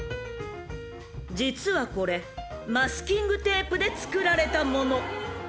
［実はこれマスキングテープで作られたもの］